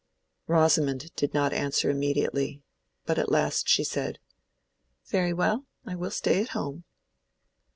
Rosamond did not answer immediately, but at last she said, "Very well, I will stay at home."